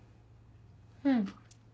うん。